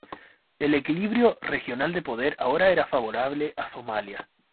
El equilibrio regional de poder ahora era favorable a Somalia.